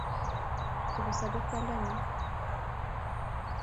Tukusobei kwandanyu